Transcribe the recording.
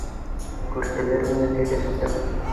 Күршеләре менән һөйләштем.